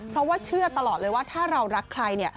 เพราะว่าเชื่อตลอดเลยว่าถ้าเรารักใครเนี่ย